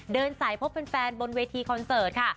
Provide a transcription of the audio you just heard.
เดินสายพบแฟนบนเวทีคอนเสิร์ตค่ะ